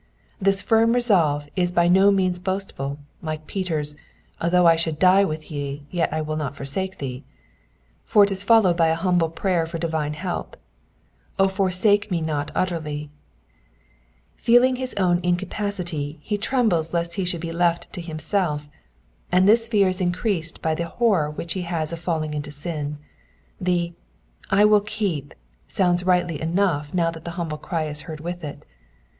This firm resolve is by no means boastful, like Peter's though I should die with thee, yet will I not forsake thee," for it is followed by a humble prayer for divine help, *'0 forsaH ma not utterly ^ Feeling his own incapacity, he trembles lest he should be left to himself, and this fear is increased by the horror which ho has of falling into sin. The I will keep " sounds rightly enough now that the humble cry is heard with it.